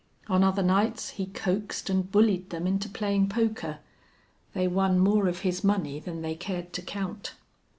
On other nights he coaxed and bullied them into playing poker. They won more of his money than they cared to count.